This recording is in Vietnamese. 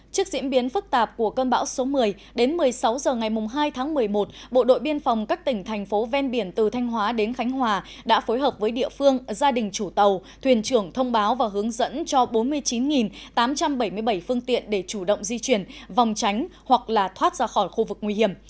trước diễn biến phức tạp của cơn bão số một mươi đến một mươi sáu h ngày hai tháng một mươi một bộ đội biên phòng các tỉnh thành phố ven biển từ thanh hóa đến khánh hòa đã phối hợp với địa phương gia đình chủ tàu thuyền trưởng thông báo và hướng dẫn cho bốn mươi chín tám trăm bảy mươi bảy phương tiện để chủ động di chuyển vòng tránh hoặc là thoát ra khỏi khu vực nguy hiểm